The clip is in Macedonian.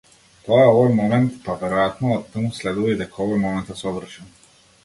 Тоа е овој момент-па веројатно оттаму следува и дека овој момент е совршен.